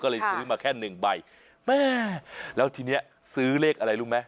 ก็เลยซื้อมาแค่หนึ่งใบแม่แล้วทีเนี้ยซื้อเลขอะไรรู้ไหม